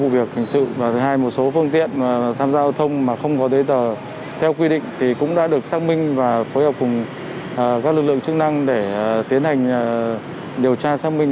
bây giờ theo quy định thì cũng đã được xác minh và phối hợp cùng các lực lượng chức năng để tiến hành điều tra xác minh